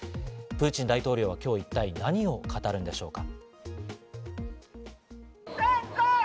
プーチン大統領は今日、一体何を語るんでしょうか？